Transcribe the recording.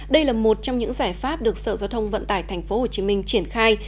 đây là một trong những giải pháp được sở giao thông vận tải tp hcm triển khai